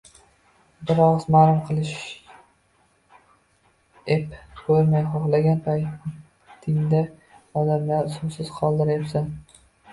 Bir ogʻiz maʼlum qilishni ep koʻrmay, xohlagan paytingda odamlarni suvsiz qoldirayapsan.